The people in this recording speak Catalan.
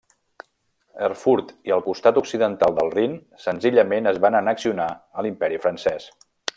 Erfurt i el costat occidental del Rin senzillament es van annexionar a l'Imperi Francès.